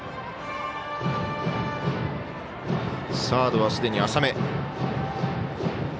サードはすでに浅め。